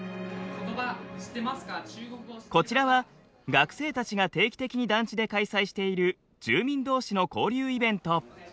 こちらは学生たちが定期的に団地で開催している住民同士の交流イベント。